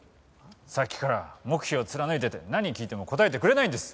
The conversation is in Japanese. さっきから黙秘を貫いてて何を聞いても答えてくれないんです。